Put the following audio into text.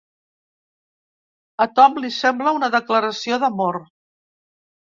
Al Tom li sembla una declaració d'amor.